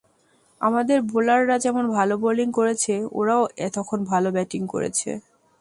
আমাদের বোলাররা যেমন ভালো বোলিং করেছে, ওরাও তখন ভালো ব্যাটিং করেছে।